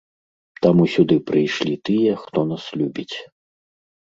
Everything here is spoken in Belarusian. Таму сюды прыйшлі тыя, хто нас любіць.